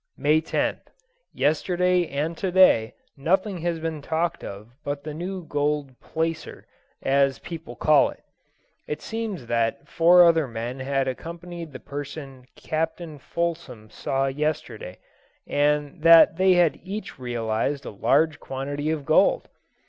May 10th. Yesterday and to day nothing has been talked of but the new gold "placer," as people call it. It seems that four other men had accompanied the person Captain Fulsom saw yesterday, and that they had each realized a large quantity of gold.